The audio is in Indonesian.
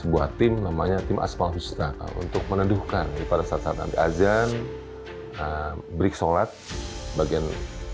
beli teman tim bersolavat working desa lokasi thanjar dan banyak lagi untuk memegangkan perjuangan mets above checking to testing